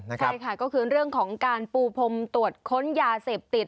ใช่ค่ะก็คือเรื่องของการปูพรมตรวจค้นยาเสพติด